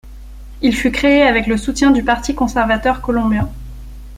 Il fut créé avec le soutien du Parti conservateur colombien.